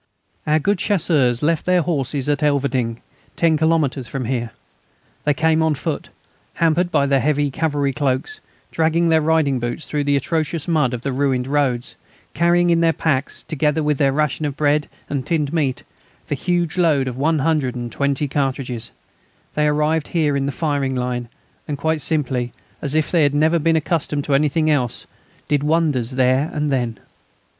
Our good Chasseurs left their horses at Elverdinghe, 10 kilometres from here. They came on foot, hampered by their heavy cavalry cloaks, dragging their riding boots through the atrocious mud of the ruined roads, carrying in their packs, together with their ration of bread and tinned meat, the huge load of one hundred and twenty cartridges; they arrived here in the firing line, and quite simply, as if they had never been accustomed to anything else, did wonders there and then.